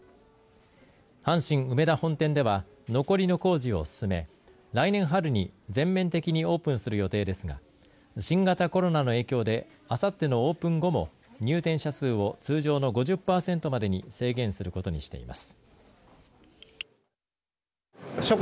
阪神梅田本店では残りの工事を進め、来年春に全面的にオープンする予定ですが新型コロナの影響であさってのオープン後も入店者数を通常の５０パーセントまでに制限することにしています。